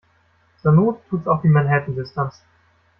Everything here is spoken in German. Zur Not tut's auch die Manhattan-Distanz.